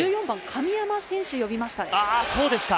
１４番・神山選手を呼びました。